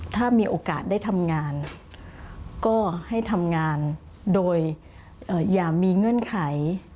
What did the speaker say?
ถ้ามีโอกาสได้ทำงานก็ให้ทำงานโดยอย่ามีเงื่อนไข